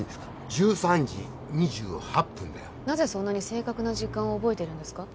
１３時２８分だよなぜそんなに正確な時間を覚えてるんですか？